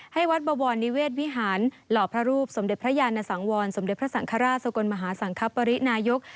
วัดบวรนิเวศวิหารหล่อพระรูปสมเด็จพระยานสังวรสมเด็จพระสังฆราชสกลมหาสังคปรินายก